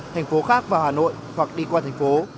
thành phố khác vào hà nội hoặc đi qua thành phố